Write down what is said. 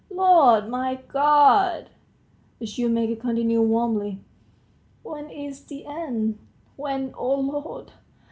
.." "Lord, my God!" the shoemaker continued warmly, "when is the end? when, O Lord!